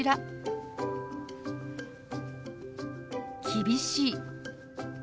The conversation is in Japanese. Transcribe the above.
「厳しい」。